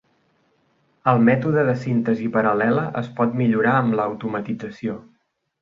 El mètode de "síntesi paral·lela" es pot millorar amb la automatització.